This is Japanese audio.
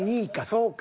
そうか。